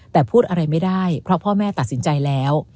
แต่พูดอะไรไม่ได้เพราะพ่อแม่ตัดสินใจแล้ว